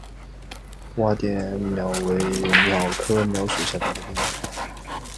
洼点蓼为蓼科蓼属下的一个变种。